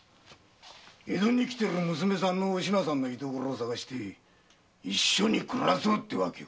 江戸へ来ている娘さんのお品さんの居所を探して一緒に暮らそうって訳よ。